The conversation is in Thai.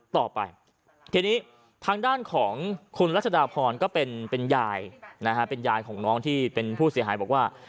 ต่อไปทีนี้ทางด้านของคุณรัชดาพรก็เป็นยายนะฮะเป็นยายของน้องที่เป็นผู้เสียหายบอกว่า